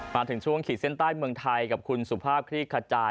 มาถึงช่วงขีดเส้นใต้เมืองไทยกับคุณสุภาพคลี่ขจาย